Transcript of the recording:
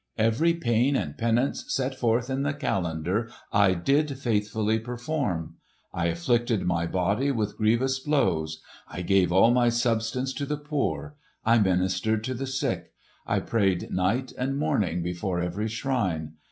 Every pain and penance set forth in the calendar I did faithfully perform. I afflicted my body with grievous blows. I gave all my substance to the poor. I ministered to the sick. I prayed night and morning before every shrine.